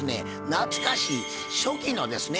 懐かしい初期のですね